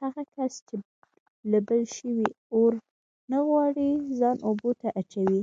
هغه کس چې له بل شوي اور نه غواړي ځان اوبو ته واچوي.